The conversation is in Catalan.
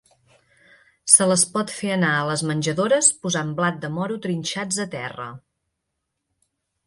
Se les pot fer anar a les menjadores posant blat de moro trinxats a terra.